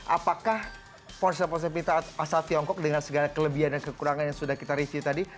apakah ponsel ponsel pintar asal tiongkok dengan segala kelebihan dan kekurangan yang sudah kita review tadi